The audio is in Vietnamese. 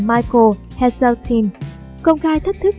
michael heseltine công khai thách thức